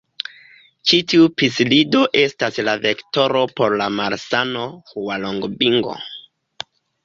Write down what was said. Ĉi tiu psilido estas la vektoro por la malsano Hualongbingo.